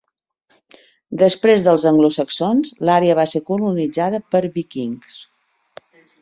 Després dels anglosaxons l'àrea va ser colonitzada per vikings.